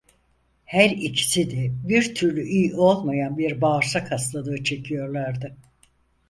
Her ikisi de bir türlü iyi olmayan bir bağırsak hastalığı çekiyorlardı.